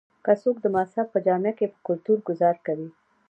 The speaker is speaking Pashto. کۀ څوک د مذهب پۀ جامه کښې پۀ کلتور ګذار کوي